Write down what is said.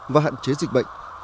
và hạn chế dịch bệnh